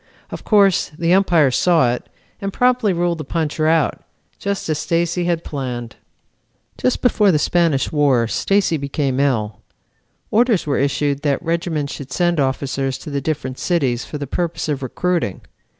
Of course, the Umpire saw it, and promptly ruled the puncher out, just as Stacy had planned. "Just before the Spanish War Stacy became ill. Orders were issued that regiments should send officers to the different cities for the purpose of recruiting.